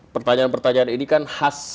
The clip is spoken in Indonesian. pertanyaan pertanyaan ini kan khas